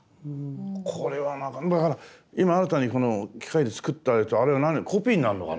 これはだから今新たにこの機械で作ったやつあれは何コピーになんのかな？